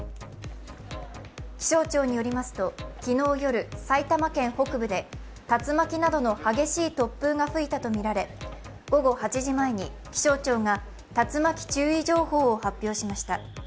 気象庁によりますと昨日夜、埼玉県北部で竜巻などの激しい突風が吹いたとみられ午後８時前に気象庁が竜巻注意情報を発表しました。